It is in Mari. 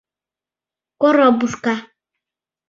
— «Коробушка».